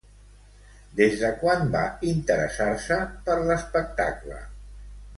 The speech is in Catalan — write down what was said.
Des de quan va interessar-se per l'espectacle?